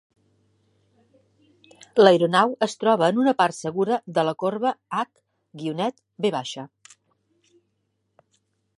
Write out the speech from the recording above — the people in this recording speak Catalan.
L'aeronau es troba en una part segura de la corba H-V.